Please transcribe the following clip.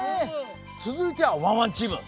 つづいてはワンワンチーム。